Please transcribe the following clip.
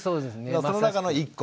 その中の１個。